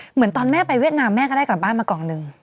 เหมือนตอนแม่ไปเวียดนามแม่ก็ได้กลับบ้านมาก่อนหนึ่ง